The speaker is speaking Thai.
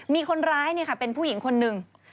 มีคนร้ายเป็นผู้หญิงคนหนึ่ง